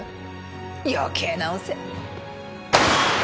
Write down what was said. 余計なお世。